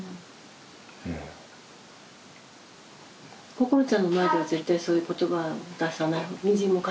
心ちゃんの前では絶対そういう言葉出さない。